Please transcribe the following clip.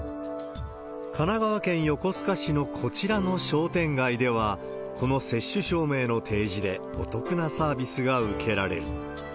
神奈川県横須賀市のこちらの商店街では、この接種証明の提示でお得なサービスが受けられる。